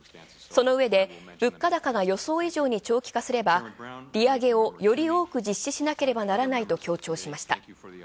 そのうえで物価高が予想以上に長期化すれば利上げをより多く実施しなければならないと強調した。